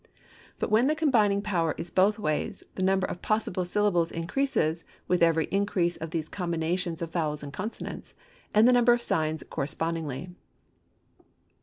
But when the combining power is both ways, the number of possible syllables increases with every increase of these combinations of vowels and consonants, and the number of signs correspondingly.